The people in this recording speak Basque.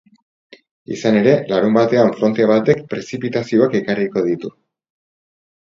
Izan ere, larunbatean fronte batek prezipitazioak ekarriko ditu.